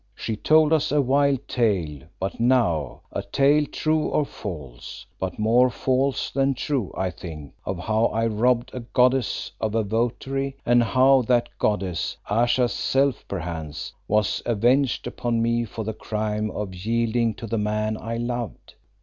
She told us a wild tale but now, a tale true or false, but more false than true, I think, of how I robbed a goddess of a votary, and of how that goddess Ayesha's self perchance was avenged upon me for the crime of yielding to the man I loved.